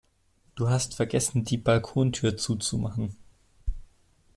Du hast vergessen, die Balkontür zuzumachen.